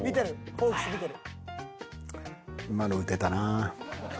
ホークス見てる。